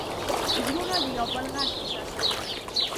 زړونه د یو بل غږ احساسوي.